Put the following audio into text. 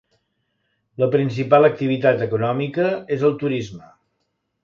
La principal activitat econòmica és el turisme.